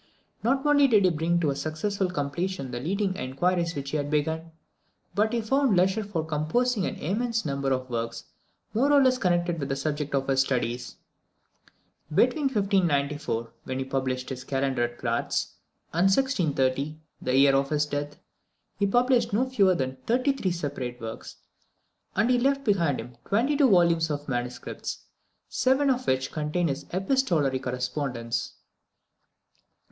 Not only did he bring to a successful completion the leading inquiries which he had begun, but he found leisure for composing an immense number of works more or less connected with the subject of his studies. Between 1594, when he published his Kalendar at Gratz, and 1630, the year of his death, he published no fewer than thirty three separate works; and he left behind him twenty two volumes of manuscripts, seven of which contain his epistolary correspondence.